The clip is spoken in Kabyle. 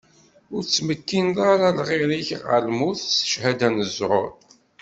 Ur tettmekkineḍ ara lɣir-ik ɣer lmut s cchada n ẓẓur.